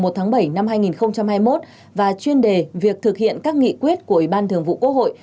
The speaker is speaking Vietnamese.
một tháng bảy năm hai nghìn hai mươi một và chuyên đề việc thực hiện các nghị quyết của ủy ban thường vụ quốc hội